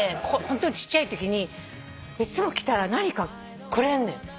ホントにちっちゃいときにいつも来たら何かくれるのよ。